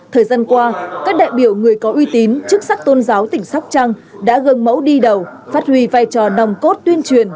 thời gian qua các đại biểu người có uy tín chức sắc tôn giáo tỉnh sóc trăng đã gần mẫu đi đầu phát huy vai trò nòng cốt tuyên truyền